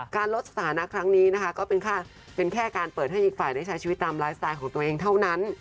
ลดสถานะครั้งนี้นะคะก็เป็นแค่การเปิดให้อีกฝ่ายได้ใช้ชีวิตตามไลฟ์สไตล์ของตัวเองเท่านั้น